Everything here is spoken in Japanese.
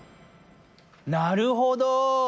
なるほど！